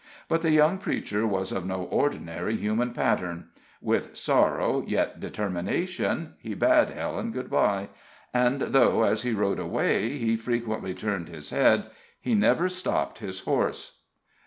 But the young preacher was of no ordinary human pattern: with sorrow, yet determination, he bade Helen good by, and though, as he rode away, he frequently turned his head, he never stopped his horse.